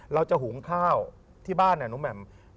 เราจะหุงข้าวที่บ้านเนี่ย